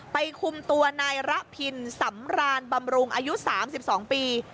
คุมตัวนายระพินสำรานบำรุงอายุ๓๒ปี